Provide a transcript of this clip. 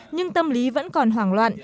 nhưng tâm lý vẫn còn hoảng loạn